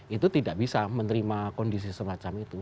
itu tidak bisa menerima kondisi semacam itu